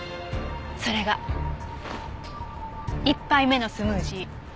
それが１杯目のスムージー。